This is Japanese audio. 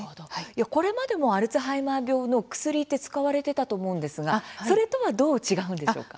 これまでもアルツハイマー病の薬って使われてたと思うんですがそれとはどう違うんでしょうか。